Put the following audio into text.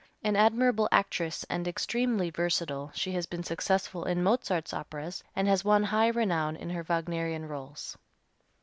An admirable actress and extremely versatile, she has been successful in Mozart's operas, and has won high renown in her Wagnerian rôles.